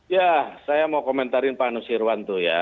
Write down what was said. ya saya mau komentarin pak nusirwan tuh ya